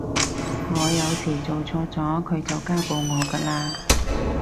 我有時做錯咗佢就家暴我㗎喇